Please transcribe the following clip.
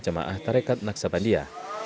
jemaah tarekat naksabandia